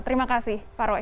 terima kasih pak roy